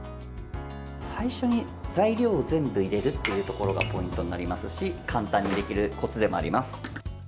最初に材料を全部入れるっていうところがポイントになりますし簡単にできるコツでもあります。